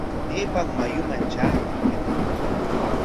¿Maypam mayuman traaman?